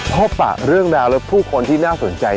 พบปะเรื่องราวและผู้คนที่น่าสนใจ